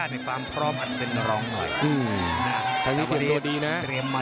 พี่น้องอ่ะพี่น้องอ่ะพี่น้องอ่ะพี่น้องอ่ะ